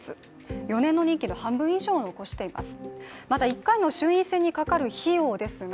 ４年の任期の半分以上を残しています。